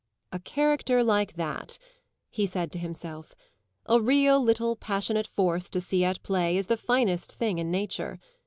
"A character like that," he said to himself "a real little passionate force to see at play is the finest thing in nature.